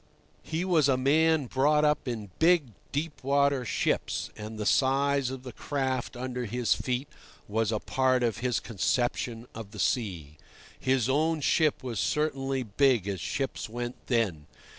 He was a man brought up in big deep water ships, and the size of the craft under his feet was a part of his conception of the sea. His own ship was certainly big as ships went then.